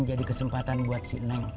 jadi kesempatan buat sini